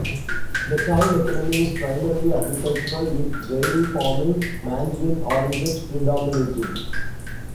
The town economy is primarily agricultural, with dairy farming, mandarin oranges predominating.